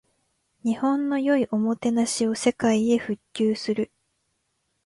日本の良いおもてなしを世界へ普及する